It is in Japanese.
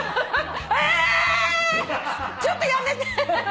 ちょっとやめて。